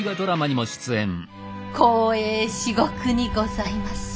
光栄至極にございます。